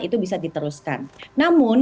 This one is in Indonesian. itu bisa diteruskan namun